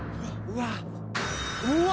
うわ。